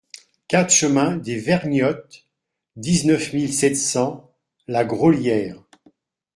quatre chemin des Vergnottes, dix-neuf mille sept cents Lagraulière